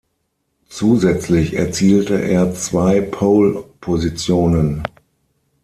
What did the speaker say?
Zusätzlich erzielte er zwei Pole-Positionen.